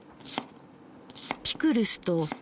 ピクルスと。